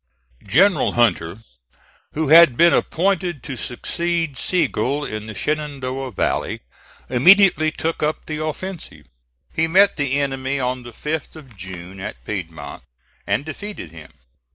General Hunter who had been appointed to succeed Sigel in the Shenandoah Valley immediately took up the offensive. He met the enemy on the 5th of June at Piedmont, and defeated him.